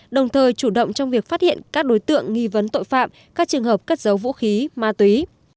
đồng thời chủ động trong việc phát hiện các đối tượng nghi vấn tội phạm các trường hợp cất giấu vũ khí ma túy